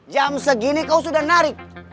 jam segini kau sudah narik